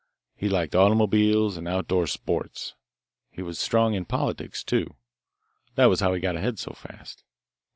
He liked automobiles and outdoor sports, and he was strong in politics, too. That was how he got ahead so fast.